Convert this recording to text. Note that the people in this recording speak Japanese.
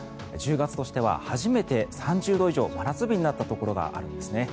１０月としては初めて３０度以上真夏日になったところがあるんですね。